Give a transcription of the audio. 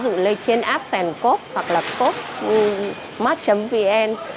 ví dụ trên app sàn coop hoặc là coopmart vn